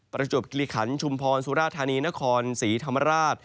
ประจวบกิริขันชุมพรสุราธานีนครศรีธรรมราช